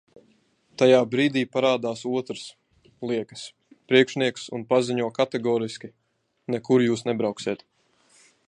"Tajā brīdī parādās otrs, liekas, priekšnieks un paziņo kategoriski "nekur Jūs nebrauksiet"."